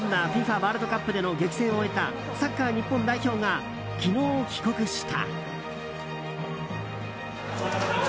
ワールドカップでの激戦を終えたサッカー日本代表が昨日、帰国した。